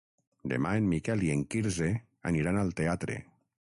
Demà en Miquel i en Quirze aniran al teatre.